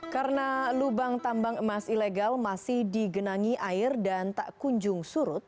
karena lubang tambang emas ilegal masih digenangi air dan tak kunjung surut